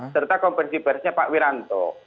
serta konversi persnya pak wiranto